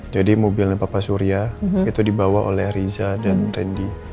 jadi mobilnya papa surya itu dibawa oleh riza dan rendy